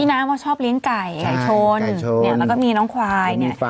น้ำว่าชอบเลี้ยงไก่ไข่ชนและก็มีน้องควาย